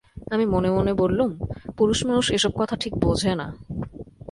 আমি মনে মনে বললুম, পুরষমানুস এ-সব কথা ঠিক বোঝে না।